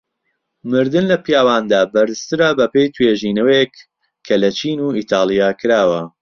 مردن لە پیاواندا بەرزترە بەپێی توێژینەوەک کە لە چین و ئیتاڵیا کراوە.